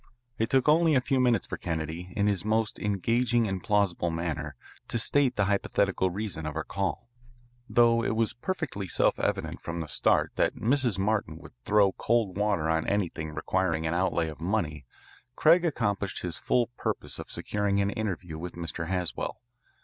It took only a few minutes for Kennedy, in his most engaging and plausible manner, to state the hypothetical reason of our call. Though it was perfectly self evident from the start that Mrs. Martin would throw cold water on anything requiring an outlay of money Craig accomplished his full purpose of securing an interview with Mr. Haswell.